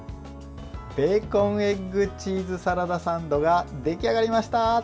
ベーコンエッグチーズサラダサンドが出来上がりました。